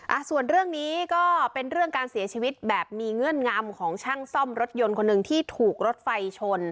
อ่าส่วนเรื่องนี้ก็เป็นเรื่องการเสียชีวิตแบบมีเงื่อนงำของช่างซ่อมรถยนต์คนหนึ่งที่ถูกรถไฟชน